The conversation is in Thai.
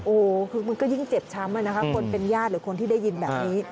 โอ้โหคือมันก็ยิ่งเจ็บช้ำนะคะคนเป็นญาติหรือคนที่ได้ยินแบบนี้